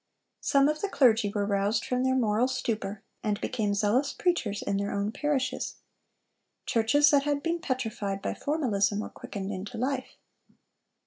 Some of the clergy were roused from their moral stupor, and became zealous preachers in their own parishes. Churches that had been petrified by formalism were quickened into life.